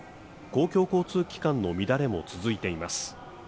公共交通機関の乱れも続いています。